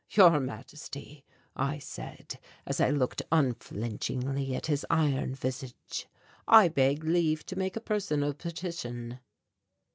"Your Majesty," I said, as I looked unflinchingly at his iron visage, "I beg leave to make a personal petition."